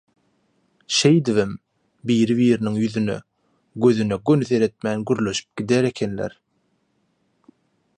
Şeýdibem, biri-biriniň ýüzüne, gözüne göni seretmän gürleşip gider ekenler.